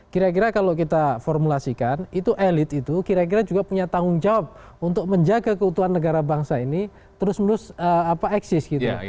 kira kira kalau kita formulasikan itu elit itu kira kira juga punya tanggung jawab untuk menjaga keutuhan negara bangsa ini terus menerus eksis gitu